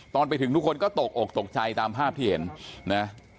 ตอนไปถึงทุกคนก็ตกอกตกใจตามภาพที่เห็นนะ